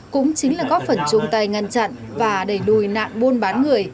cũng chính là góp phần chung tay ngăn chặn và đẩy đùi nạn buôn bán người